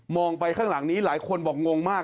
ไปข้างหลังนี้หลายคนบอกงงมาก